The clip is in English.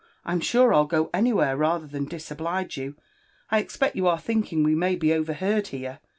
I'm sure Til go any where rather than disoblige you. — I expect you are thinking we may be overheard here?'